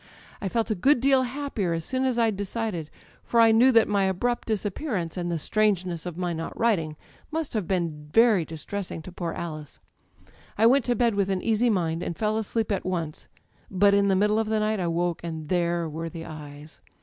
I felt a good deal happier as soon as I'd decided, for I knew that my abrupt disappearance, and the strangeness of my not writing, must have been very distressing to poor Alice. I went to bed with an easy mind, and fell asleep at once; but in the middle of the night I woke, and there were the eyes